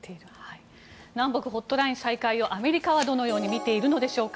南北ホットライン再開をアメリカはどのように見ているのでしょうか。